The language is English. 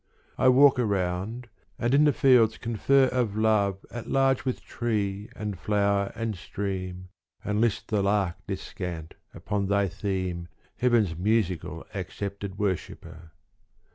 I walk around and in the fields confer Of love at large with tree and flower and stream And list the lark descant upon thy theme Heaven's musical accepted worshipper.